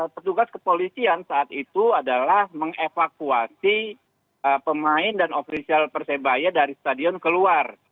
petugas kepolisian saat itu adalah mengevakuasi pemain dan ofisial persebaya dari stadion keluar